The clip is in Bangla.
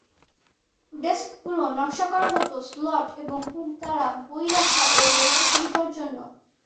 ডেস্ক গুলো নকশা করা হত স্লট এবং হুক দ্বারা বই রাখা ও লেখার সুবিধার জন্য।